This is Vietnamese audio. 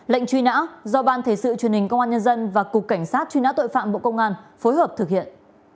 lệnh truy nã do ban thể sự truyền hình công an nhân dân và cục cảnh sát truy nã tội phạm bộ công an phối hợp thực hiện